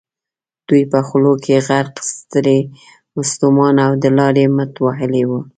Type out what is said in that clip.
دوی په خولو کې غرق، ستړي ستومانه او د لارې مټ وهلي ول.